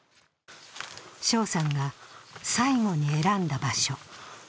翔さんが最期に選んだ場所。